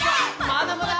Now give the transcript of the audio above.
まだまだ！